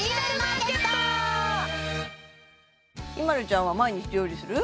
ＩＭＡＬＵちゃんは毎日料理する？